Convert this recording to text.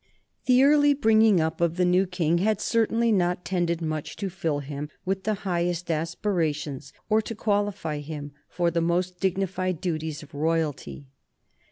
The early bringing up of the new King had certainly not tended much to fill him with the highest aspirations or to qualify him for the most dignified duties of royalty.